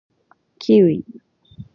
キウイ